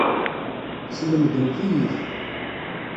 Teslemdemt-iyi-t.